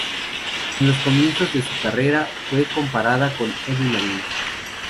En los comienzos de su carrera fue comparada con Avril Lavigne.